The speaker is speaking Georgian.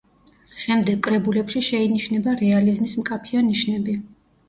შემდეგ კრებულებში შეინიშნება რეალიზმის მკაფიო ნიშნები.